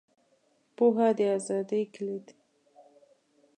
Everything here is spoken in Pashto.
• پوهه، د ازادۍ کلید دی.